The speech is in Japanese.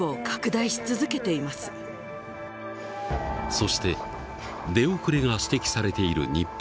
そして出遅れが指摘されている日本。